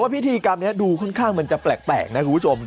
ปฏิกรรมนี้ดูค่อนข้างเหมือนจะแปลกนะผู้ชม